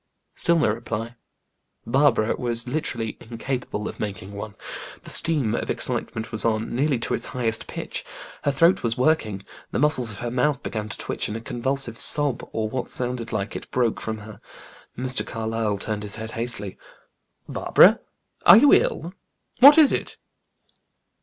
Still no reply. Barbara was literally incapable of making one. The steam of excitement was on, nearly to its highest pitch. Her throat was working, the muscles of her mouth began to twitch, and a convulsive sob, or what sounded like it, broke from her. Mr. Carlyle turned his head hastily. "Barbara! are you ill? What is it?"